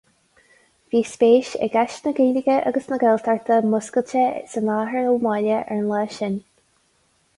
Bhí spéis i gceist na Gaeilge agus na Gaeltachta múscailte san Athair Ó Máille ar an lá sin.